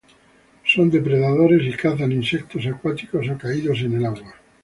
Son depredadores y cazan insectos acuáticos o caídos en el agua.